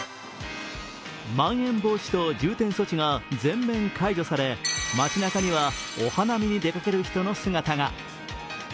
まん延防止等重点措置が全面解除され街中にはお花見に出かける人の姿が。